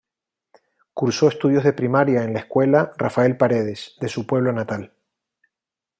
Cursó estudios de Primaria en la Escuela "Rafael Paredes", de su pueblo natal.